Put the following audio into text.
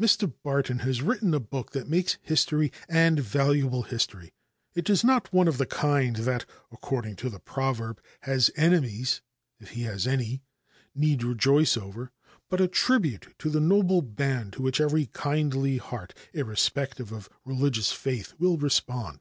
Mr. Barton has written a book that makes history, and valuable history. It is not one of the kind that, according to the proverb, his enemies (if he has any) need rejoice over, but a tribute to the noble band to which every kindly heart, irrespective of religious faith, will respond.